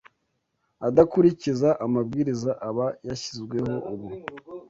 adakurikiza amabwiriza aba yashyizweho ubu